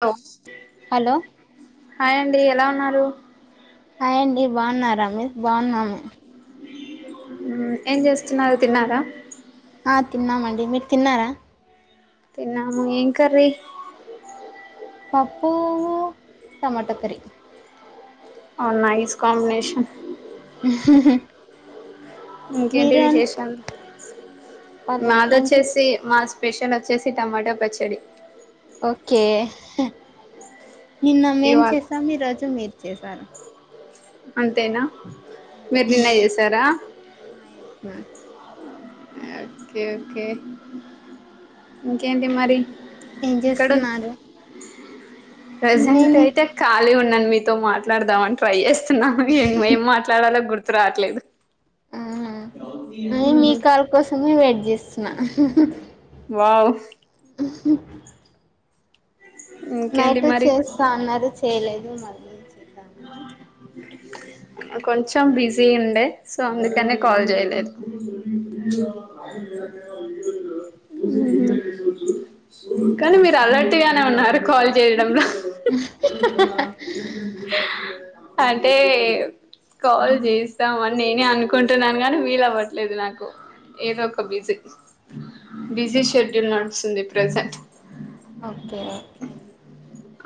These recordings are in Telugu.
లో హలో హయ్ అండి ఎలా ఉన్నారు. హాయండి బాగున్నారా మీరు బాగున్నాము. మ్ ఏం చేస్తున్నారు తిన్నారా ఆ తిన్నామండి. మీరు తిన్నారా తిన్నాము. ఏం కర్రీ పప్పూ టమాట కర్రీ ఆ నైస్ కాంబినేషన్ ఇంకేంటి మీరు అండి విశేషాలు. వాళ్ళండి ఏం తి మాదొచ్చేసి మా స్పెషల్ వచ్చేసి టమాటో పచ్చడి. ఓకే. నిన్న మేం ఇవాళ చేసాం. ఈ రోజు మీరు చేసారు. అంతేనా! అంతే మీరు నిన్న చేసారా ఆ ఎస్ మ్యామ్ ఓకే. ఓకే. ఇంకేంటి మరి ఏం ఎక్కడ చేస్తున్నారు. ప్రజెంట్ నేను అయితే ఖాళీ ఉన్నాన్ మీతో మాట్లాడదామని ట్రై చేస్త స్తున్నాం. ఏం ఏం మాట్లాడాలో గుర్తు రావట్లేదు. మ్. నేన్ మీ కాల్ కోసమే వెయిట్ చేస్తున్నా వావ్ ఇంకేంటి నైట్ మరి చేస్తా అన్నారు చేయలేదు మళ్ళీ చేద్ ఆ కొంచెం బిజీ ఉండే సో అందుకనే కాల్ జేయలేదు. ఓకే కానీ మీరు అలర్ట్గానే ఉన్నారు. కాల్ చేయడంలో అంటే కాల్ చేస్తామని నేనే అనుకుంటున్నాను గానీ వీలవ్వట్లేదు నాకు ఏదో ఒక బిజీ. బిజీ షెడ్యూల్ నడుస్తుంది ప్రెజెంట్ ఓకే. ఓకే.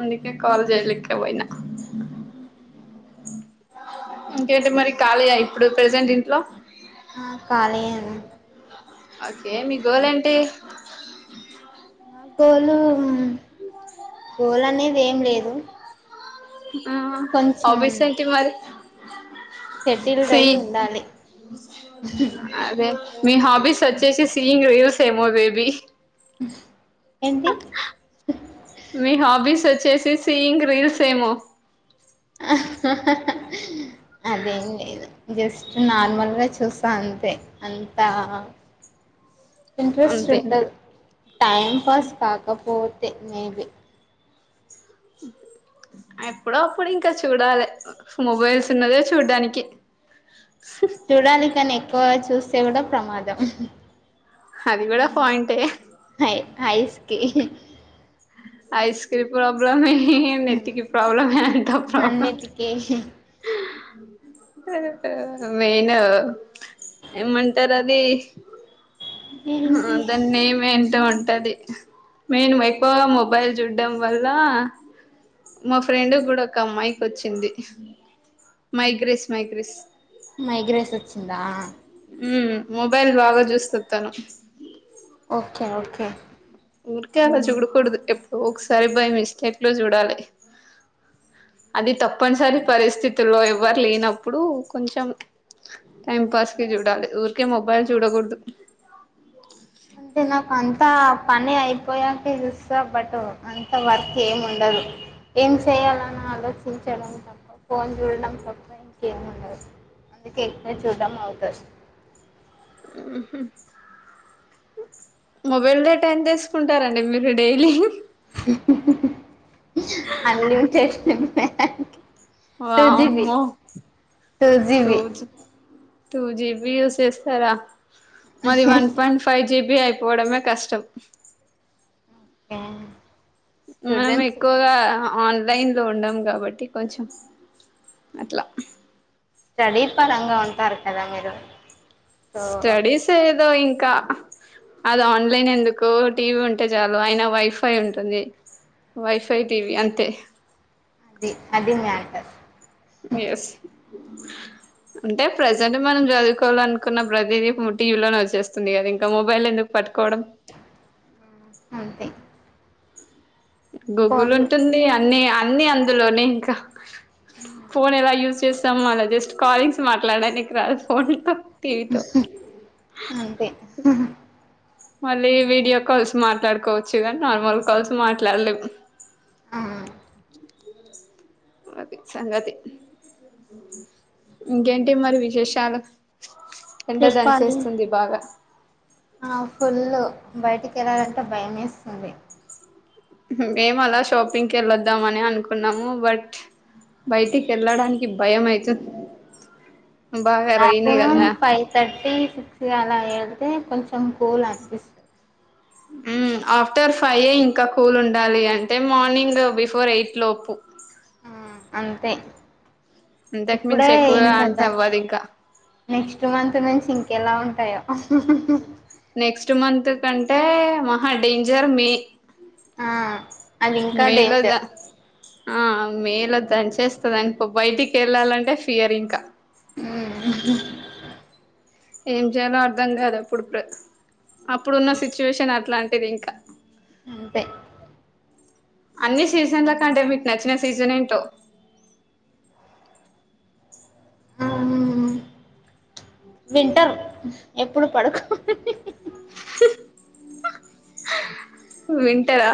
అందుకే కాల్ జేయలేక పోయినా ఇంకేంటి మరి ఖాళీయా ఇప్పుడు ప్రజెంట్ ఇంట్లో ఆ కాళియే ఓకే మీ గోలేంటి. మా గోలు గోలనేది ఏం లేదు. ఆ కొంచెం హాబీస్ ఏంటి మరి సెటిల్డ్ సే అయి ఉండాలి అదే మీ హాబీస్ వచ్చేసి సియింగ్ రీల్సేమో బేబీ ఆ నీ హాబీస్ వచ్చేసి సియింగ్ రీల్స్ ఏమో అదేం లేదు జస్ట్ నార్మల్గా చూస అంతే అంతా ఇంట్రెస్ట్ అంతే ఉంటుంది టైం పాస్ కాకపోతే మేబీ ఉహు [inaudible] ఎప్పుడొ అప్పుడు ఇంకా చూడాలి మొబైల్స్ ఉన్నదే చూడ్డానికి చూడాలి కాని ఎక్కువ చూస్తే కూడా ప్రమాదం అది కూడా పాయింటే ఐస్ కీ ఐస్ కీ ప్రాబ్లమ్ ఏ నెత్తికిీ ప్రోబ్లమ్ అంత ప్రోబ్లమ్ అన్నిటికీ ఏందో ఏమాంటరు అది ఏంటి దాన్ని ఏమింటొ అం అది నేను ఎక్కువగా మొబైల్ చూడ్డం వల్ల మా ఫ్రెండ్ కూడా ఒక అమ్మాయికి వచ్చింది మైగ్రెస్ మైగ్రెస్ మైగ్రేస్ వచ్చిందా మ్మ్ మొబైల్ బాగా చూస్తాది తాను ఓకే ఓకే ఊరికే అలా చూడకూడదు ఎప్పుడు ఒకసారి బై మిస్టేక్ లో చూడాలి అది తప్పనిసరి పరిస్థితుల్లో ఎవరు లేనప్పుడు కొంచెం టైం పాస్ కి చూడాలి ఊరికే మొబైల్ చూడకూడదు అంత పని అయిపోయాక చూస్తే బెటర్ అంత వర్క్ ఏమి ఉండదు ఏమన్నా ఆలోచించడం తప్ప ఫోన్ చూడడం తప్ప ఇంకేమి ఉండదు అందుకే ఎక్కువ చూడడం అవుతాది మ్మ్ మొబైల్ డేటా ఎంత ఏసుకుంటారండి మీరు డైలీ అన్లిమిటెడ్ దానికి వామ్మో టూ జీబీ యూజ్ చేస్తార మాది వన్ పాయింట్ ఫైవ్ జీబీ అయి పోవడమే కష్టం అట్లా మీ మమ్మి ఎక్కువగా అన్ లైన్ లో ఉన్నాం కాబట్టి కొంచెం అట్లా స్టడీ పరంగా ఉంటారు కదా మీరు సో స్టడీస్ ఏదో ఇంకా అది ఆన్లైన్ ఎందుకు టీవీ ఉంటే చాలు అయినా వైఫై ఉంటుంది వైఫై టీవి అంతే అది అది మ్యాటర్ ఎస్ అంటే ప్రజెంట్ మనం చదువుకోవాలి అనుకున్న ప్రతిదీ టీవీలో వచ్చేస్తుంది కదా ఇంకా మొబైల్ ఎందుకు పట్టు ఆ అంతే గూగుల్ ఫోన్లు ఉంటుంది అన్ని అన్ని అందులోనే ఇంకా ఫోన్ ఎలా యూజ్ చేస్తాం మన జస్ట్ కాలింగ్స్ మాట్లాడడానికి రాదు ఫోన్ తో టివితో అంతే మళ్ళీ వీడియో కాల్స్ మాట్లాడుకోవచ్చు కాని నార్మల్ కాల్స్ మాట్లాడలేము అవును అది సంగతి ఇంకేంటి మరి విశేషాలు ఎండ చెప్పాలి దాంచిఏస్తుంది బాగా పుల్ బయటికి వెళ్ళాలంటే భయమేస్తుంది మేము అలా షాపింగ్కి వెళ్ళొద్దామ అని అనుకున్నాము బట్ బయటికేళ్ళడానికి భయం అయితుం మాక్సిమం ఫైవ్ థర్టీ సిక్స్కి అలా ఎళ్తే కొం చం కూల్ అనిపిస్త మ్మ్ ఆఫ్టర్ ఫైయే ఇంకా కూల్ ఉండాలి అంటే మార్నింగ్ బిఫోర్ ఎయిట్ లోపు ఆ అంతే ఇంతకు మించి ఇప్పుడే ఎక్కువ ఇంకా అంతే దంచి అవ్వదు ఇంక నెక్స్ట్ మంత్ నుంచి ఇంకెలా ఉంటాయో నెక్స్ట్ మంత్ కంటే మహా డేంజర్ మే ఆ అదింకా మేలో ద డేంజర్ ఆ మేల దంచేస్తదానికో బయటికి ఎళ్ళాలంటే ఫియర్ ఇంకా హ్మ్ ఏం చేయాలో అర్థం కాదు అప్పుడు ప్ర అప్పుడున్న సిచ్యువేషన్ అట్లాంటిది ఇంకా అంతే అన్ని సీజన్లకంటే మీకు నచ్చిన సీజన్ ఏంటో వింటర్ ఎప్పుడు పడుకోని వింటర్ఆ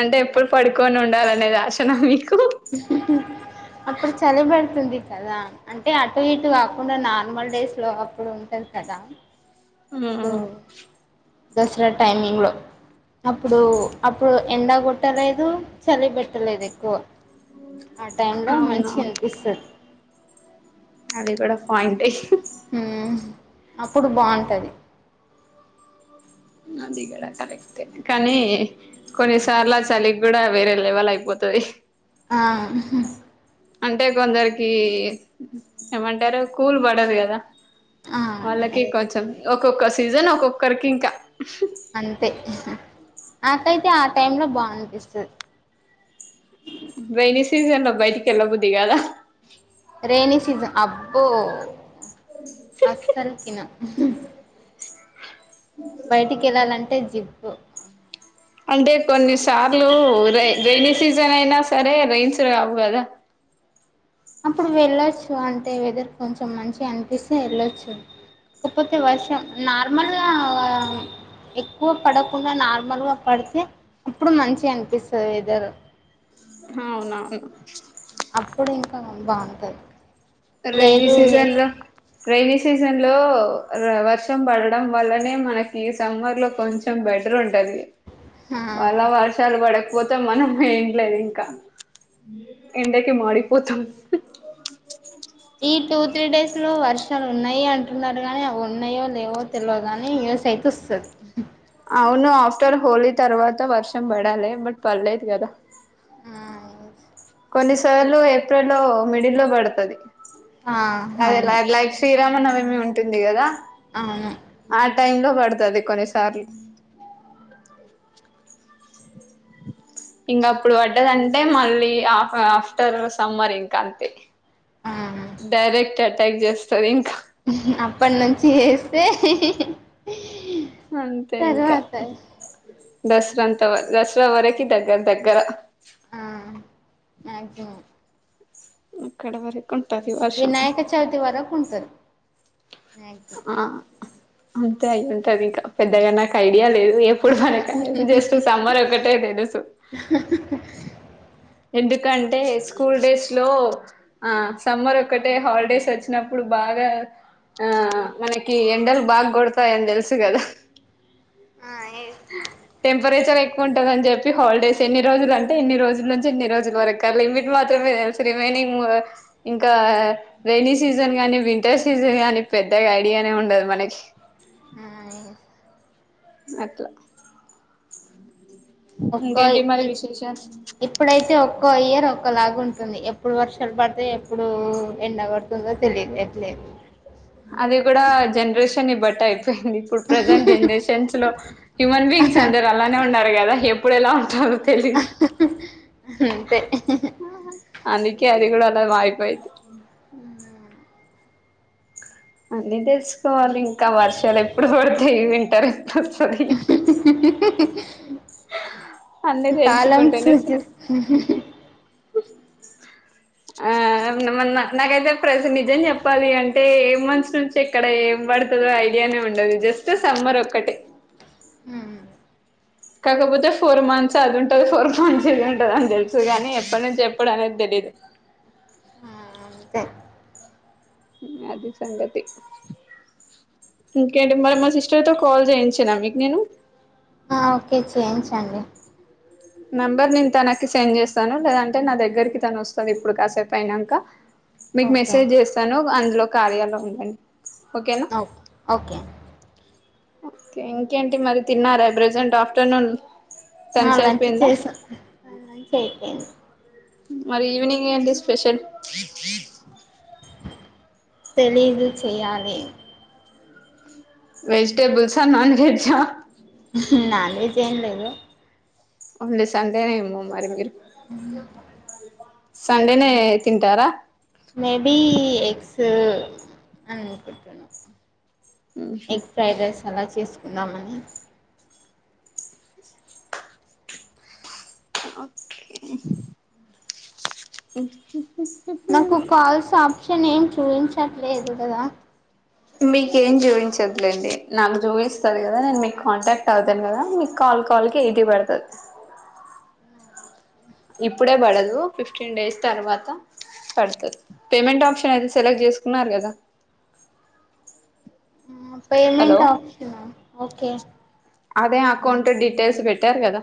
అంటే ఎప్పుడు పడుకొని ఉండాలనేది ఆశనా మీకు అప్పుడు చలిబెడుతుంది కదా అంటే అటు ఇటు కాకుండా నార్మల్ డేస్లో అప్పుడు ఉంటది కదా సో హ్మ్మ్ దసరా టైమింగ్లో అప్పుడు అప్పుడు ఎండ కొట్టలేదు చలి పెట్టలేదు ఎక్కువ ఆ టైమ్లో మంచిగ అవునవును అనిపిస్తాది అది కూడా పాయింటే హ్మ్ అప్పుడు బాగుంటది అది కూడా కరెక్టే కానీ కొన్నిసార్లు చలిగుడా వేరే లెవల్ అయిపో తది ఆ అంటే కొందరికి ఏమంటారు కూల్ పడదు కదా ఆ వాళ్ళకి ఎస్ కొంచెం ఒక్కొక్క సీజన్ ఒక్కొక్కరికి ఇంక అంతే నాకైతే ఆ టైమ్లో బాగానిపిస్తాది రైని సీజన్లో బయటికి ఎల్లబుద్ధి కాదా రేయినీ సీజన్ అబ్బో అస్సలుకినా వే బయటికి ఎళ్ళాలంటే జిప్పు అంటే కొన్ని సార్లు రే రైని సీజన్ అయినా సరే రైయిన్స్ రావు కదా స అప్పుడు వెళ్ళొచ్చు అంటే వెదర్ కొంచెం మంచిగా అనిపిస్తే ఎళ్ళొచ్చు కాకపోతే వర్షం నార్మల్ గా ఎక్కువ పడకుండా నార్మల్గా పడితే అప్పుడు మంచిగ అనిపిస్తాది వెదరు అవునవును అప్పుడు ఇంకా బాగుంటది రైనీ లేదు సీజన్లో రెైనీ సీజన్లో వర్షం పడడం వల్లనే మనకి సమ్మర్లో కొంచెం బెటర్ ఉం టది ఆ వల్ల వర్షాలు పడ పోతాం మనం ఏంలేదు ఇంకా ఎండకి మాడిపోతాం ఈటు త్రీ డేస్లో వర్షాలు ఉన్నాయి అంటున్నారు కానీ అవి ఉన్నాయో లేవో తెలియ కానీ యూస్ అయితే వస్తుంది అవును ఆఫ్టర్ హోలీ తర్వాత వర్షం పడాలి బట్ పర్లేదు కదా ఆ కొన్ని సార్లు ఏప్రిల్ లో మిడిల్ లో పడుతుది ఆ అదే అవును లైక్ శ్రీరామన్ మి ఉంటుంది కదా అవును టై లో పడుతుంది కొన్నిసార్లు ఇంకా అప్పుడు పడ్డదంటే మళ్ళీ ఆఫ్టర్ సమ్మర్ ఇంకా అంతే ఆ డైరెక్ట్ అటాక్ చేస్తారు ఇంకా అప్పటి నుంచి వస్తే అంతే ఇంకా దసరా అంత దసరా వరకు దగ్గర దగ్గర ఆ మ్యాక్సిమం అక్కడ వరకు ఉంటది వర్షం వినాయక చవితి వరకు ఉంటది మ్యాక్సిమం ఆ అంతే అయి ఉంటది ఇంకా పెద్దగా నాకు ఐడియా లేదు ఎప్పుడు మనక జస్ట్ సమ్మర్ ఒకటే తెలుసు ఎందుకంటే స్కూల్ డేస్ లో ఆ సమ్మర్ ఒకటే హాలిడేస్ వచ్చినప్పుడు బాగా బాగా ఆ మనకి ఎండలు బాగా కొడతాయని తెలుసు కదా ఆ ఎస్ టెంపరేచర్ ఎక్కువ ఉంటందని చెప్పి హాలిడేస్ ఎన్ని రోజులు అంటే ఎన్ని రోజుల నుంచి రుల ట్ మాత్రమే రిమని ఇం రన్ కానీ వింటర్ సీజన్ కాగానీ పెద్దగా ఐడియానే ఉండదు మనకి ఆ అట్లా ఒక్కో ఇంకేంటి మరి విశేషాలు ఇప్పుడైతే ఒక్కో ఇయర్ ఒ ఒకలాగా ఉంటుంది ఎప్పుడు వర్షాలు పడితేా ఎప్పుడు ఎండగడుతుందో తెలియదు ఎట్లేదు అది కూడాడా జనరేషన్ ఇ బట్టయితే యింది ఇప్పుడు ప్రెజెంట్ జనరేషన్స్ లో హ్యూమన్ బీయింగ్స్ అందరు అలానే ఉన్నారు కదా ఇప్పుడే ఎలా ఉంటాారు తెలి అంతే అందునికి అది కూడా అలా వయపయితే అళ్ళీ తెలుసుకోవాలి ఇంకా వర్షాలు ఎప్పుడు పడితాయి వింటారు ఎప్పుడు వస్తుంది చెే అన్నే కాలం తెలుసుకుంటాను సూచిస్తుంది ఆ న్న నాకైతే ప్రతి నిజం చెప్పాలి అంటే ఏ మనుషులంచి ఎక్కడ ఏం పడుతుందో అయితే వధం ఉండదు జస్ట్ సమ్మర్ ఒక్కటే కాకపోతే ఫోర్ మంత్స్ అది ఉంటది ఫోర్ మంత్స్ ఇది ఉంటది అని తెలుసుగానీ ఎప్పటి నుంచి ఎప్పుడు అనేది తెలీదు ఆ అంతే అది సంగతి ఇంకేంటిడి మరి మా సిస్టర్ తో కాల్ చేయించాను మీకు నేను ఓకే చేయించండి నెంబర్ నేను తనకి సెండ్ చేస్తాను లేదంటే నా దగ్గరికి తను వస్తుంది ఇప్పుడు కాసేపు అయినాక మీకు ఓకే మెసేజ్ చేస్తాను అందులో కార్యాలయం ఉందండి ఓకే ఓకే ఓకే ఇంకేంటి మరి తిన్నారా ప్రెజెంట్ ఆఫ్టర్నూన్ లంచ్ అలాంచి అయిపోయిందా చేసా అలంచి అయిపోయింది మరి ఈవనింగ్ అ స్పెషల్ తెలీదు చెయాలి వెజిటబుల్సా నాన్ వెజా నాన్ వెజ్ ఏం లేదు అది సండే నే ఏమో మరి సండేనే తింటారా మేబి ఎగ్స్ అని అనుకుంటున్నా ఎగ్ ఫ్రైడ్ రైస్ అలా చేసుకుందామని ఓకే నాకు కాల్స్ ఆప్షన్ ఏం చూపించట్లేదు కదా మీక ఏం చూపించదులేండి నాకు చూపిస్తంది కదా నేను మీకు కాంటాక్ట్ అవుతాను కదా మీకు కాల్ కల్కి ఎయిటీ పడుతది ఇప్పుడే పడదు ఫిఫ్టీన్ డేస్ తర్వాత పడుతుంది పేమెంట్ ఆప్షన్ అయితే సెలెక్ట్ చేసుకున్నారు కదా హలో పేమెంట్ ఆప్షనా ఓకే అదే అకౌంట్ డీటెయిల్స్ పెట్టారు కదా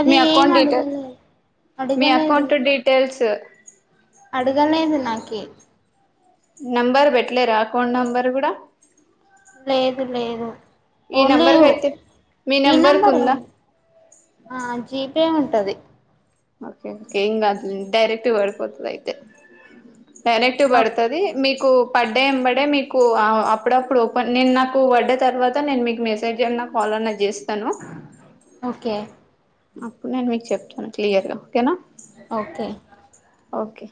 అది మీ ఏం అకౌంట్ డీటెల్ అడగలేదు మీ అకౌంట్ డీటెయిల్స్ అడుగాలేదు నాకీ నంబర్ పెట్టలేరా అకౌంట్ నెంబర్ కూడా లేదు లేదు ఈ ఓన్లీ నెంబర్కి అయితే మీ ఈ నెంబర్కి నంబర్ ఏం ఉందా ఆ జీపే ఉంటది ఓకే ఇంకేమి కాదులే. డైరక్ట్ పడిపోతాది అయితే డైరెక్ట్గా పడుతది మీకు పడ్డంబడే మీకు అప్పుడప్పుడు నేను నాకు పడ్డ తర్వాత మీకు మెస్ కాల్ అన్నా చేస్తాను ఓకే అప్పుడు నేను మీకు చెప్తాను క్లియర్ గా ఓకేనా ఓకే ఓకే